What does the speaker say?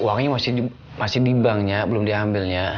uangnya masih di banknya belum diambilnya